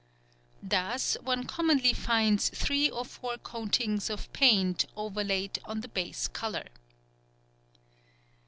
Thus one commonly finds three or four coatings of paint overlaid on the base colour.